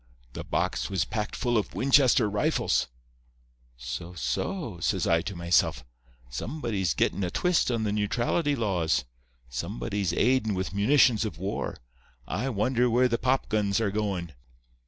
The box was packed full of Winchester rifles. 'So, so,' says I to myself; 'somebody's gettin' a twist on the neutrality laws. Somebody's aidin' with munitions of war. I wonder where the popguns are goin'?